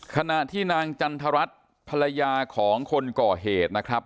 ขณะที่นางจันทรัศน์ภรรยาของคนก่อเหตุนะครับ